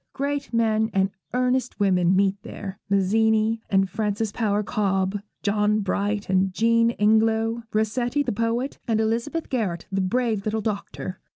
Great men and earnest women meet there; Mazzini and Frances Power Cobbe, John Bright and Jean Ingelow, Rossetti the poet, and Elizabeth Garrett the brave little doctor.